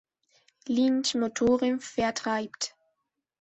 Lynch-Motoren vertreibt.